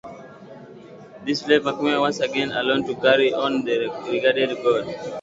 This left McMillen, once again, alone to carry on the Renegade code.